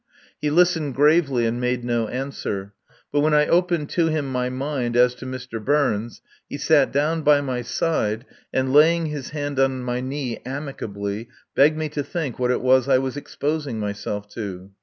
He listened gravely and made no answer. But when I opened to him my mind as to Mr. Burns he sat down by my side, and, laying his hand on my knee amicably, begged me to think what it was I was exposing myself to.